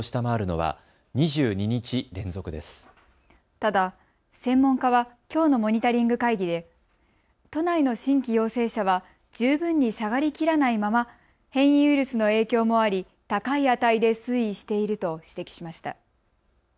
ただ、専門家はきょうのモニタリング会議で都内の新規陽性者は十分に下がりきらないまま変異ウイルスの影響もあり高い値で推移していると指摘しました。